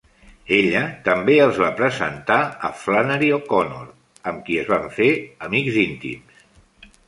Ella també els va presentar a Flannery O'Connor, amb qui es van fer amics íntims.